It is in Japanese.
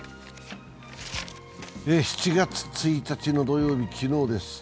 ７月１日の土曜日、昨日です。